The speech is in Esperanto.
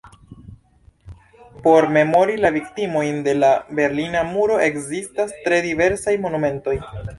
Por memori la viktimojn de la berlina muro ekzistas tre diversaj monumentoj.